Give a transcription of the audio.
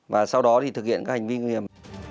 và sau đó thì thực hiện các hành vi nguy hiểm